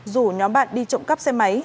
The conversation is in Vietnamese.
rủ nhóm bạn đi trộm cấp xe máy